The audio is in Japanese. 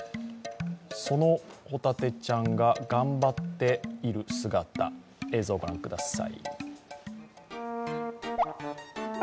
そのホタテちゃんが頑張っている姿、映像を御覧ください。